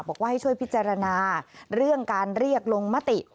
บอกว่าให้ช่วยพิจารณาเรื่องการเรียกลงมติ